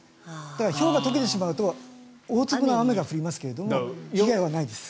だからひょうが溶けてしまうと大粒の雨が降りますけど被害はないです。